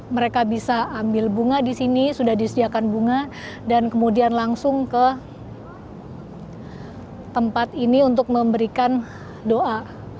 mereka bisa ambil bunga di sini sudah disediakan bunga dan kemudian langsung ke tempat ini untuk memberikan doa